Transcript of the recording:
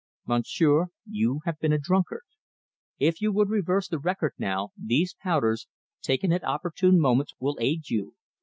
Monsieur, you have been a drunkard. If you would reverse the record now, these powders, taken at opportune moments, will aid you.